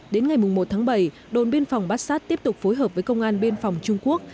đến ngày một tháng bảy đồn biên phòng bát sát tiếp tục phối hợp với công an biên phòng trung quốc